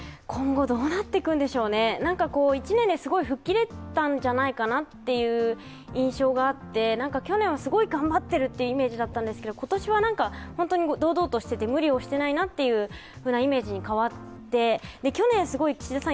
１年ですごい吹っ切れたんじゃないかなという印象があって去年はすごい頑張ってるというイメージだったんですけど今年は堂々としていて無理をしていないなというイメージに変わって去年すごい岸田さん